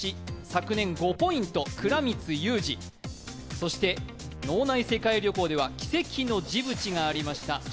昨年５ポイント倉光勇志、そして、脳内世界旅行では奇跡のジブチがありました。